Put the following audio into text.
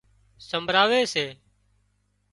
سمڀراوي سي